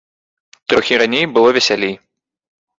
Трохі раней было весялей.